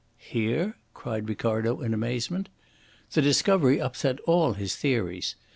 "Here?" cried Ricardo in amazement. The discovery upset all his theories.